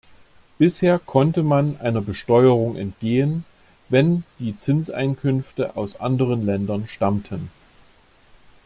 Bisher konnte man einer Besteuerung entgehen, wenn die Zinseinkünfte aus anderen Ländern stammten.